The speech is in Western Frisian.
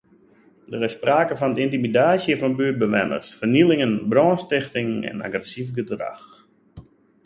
Der is sprake fan yntimidaasje fan buertbewenners, fernielingen, brânstichting en agressyf gedrach.